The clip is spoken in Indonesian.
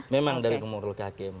memang dari nomor luki hakim